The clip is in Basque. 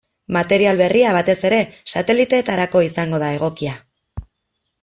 Material berria batez ere sateliteetarako izango da egokia.